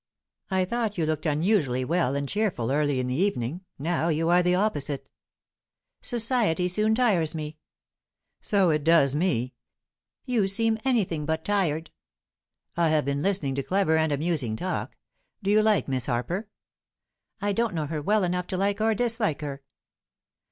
"I thought you looked unusually well and cheerful early in the evening. Now you are the opposite." "Society soon tires me." "So it does me." "You seem anything but tired." "I have been listening to clever and amusing talk. Do you like Miss Harper?" "I don't know her well enough to like or dislike her."